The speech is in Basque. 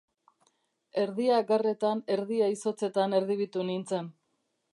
Erdia garretan erdia izotzetan erdibitu nintzen.